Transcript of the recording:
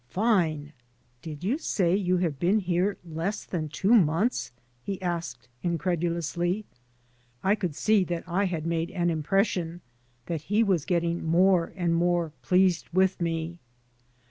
"Fine! Did you say you have been here less than two months? " he asked, incredulously. I could see that I had made an impression, that he was getting more and more pleased with me.